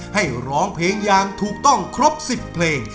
ให้ร้องเพลงอย่างถูกต้องครบ๑๐เพลง